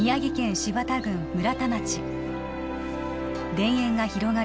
田園が広がる